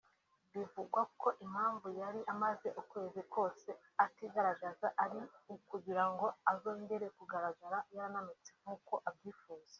Bivugwa ko impamvu yari amaze ukwezi kwose atigaragaza ari ukugira ngo azongere kugaragara yarananutse nk’uko abyifuza